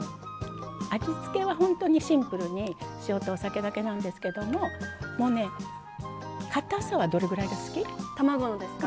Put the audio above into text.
味付けはほんとにシンプルに塩とお酒だけなんですけどももうねかたさはどれぐらいが好き？卵のですか？